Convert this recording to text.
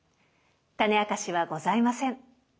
タネあかしはございません。